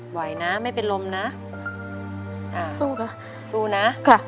ไหวนะไม่เป็นลมนะสู้นะสู้นะ